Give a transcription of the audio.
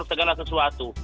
untuk mengontrol segala sesuatu